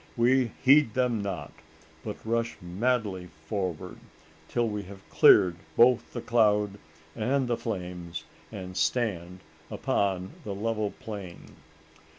We heed them not, but rush madly forward till we have cleared both the cloud and the flames, and stand upon the level plain!